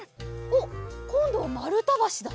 おっこんどはまるたばしだ。